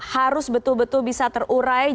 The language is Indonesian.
harus betul betul bisa terurai